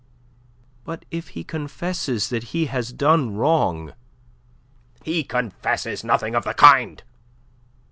"But if he confesses that he has done wrong..." "He confesses nothing of the kind.